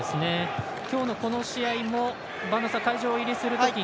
今日の、この試合も播戸さん、会場入りするとき